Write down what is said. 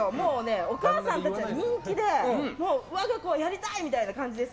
お母さんたちに人気で我が子はやりたい！みたいな感じです。